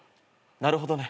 なるほどね。